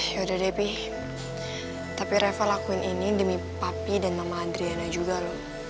yaudah deh pi tapi reva lakuin ini demi papi dan mama adriana juga loh